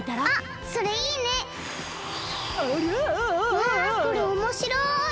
わこれおもしろい！